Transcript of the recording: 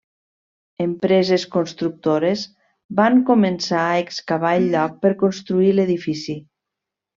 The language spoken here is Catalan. Empreses constructores van començar a excavar el lloc per construir l'edifici.